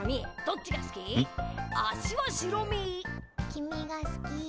きみがすきー。